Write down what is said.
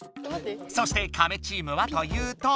そしてカメチームはというと。